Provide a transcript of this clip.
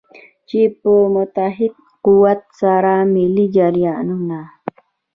چې په متحد قوت سره ملي جریانونه.